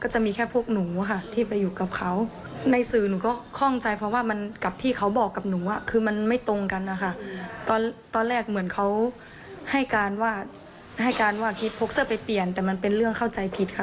ให้การว่ากิ๊บพกเสื้อไปเปลี่ยนแต่มันเป็นเรื่องเข้าใจผิดค่ะ